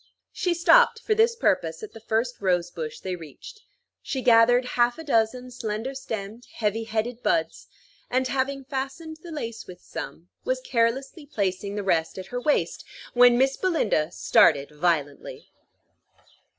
She stopped for this purpose at the first rose bush they reached. She gathered half a dozen slender stemmed, heavy headed buds, and, having fastened the lace with some, was carelessly placing the rest at her waist, when Miss Belinda started violently.